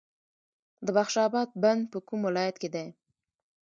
د بخش اباد بند په کوم ولایت کې دی؟